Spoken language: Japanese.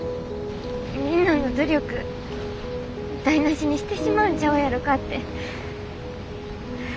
みんなの努力台なしにしてしまうんちゃうやろかって。